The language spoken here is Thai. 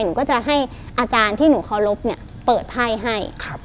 หนูก็จะให้อาจารย์ที่หนูเคารพเนี่ยเปิดไพ่ให้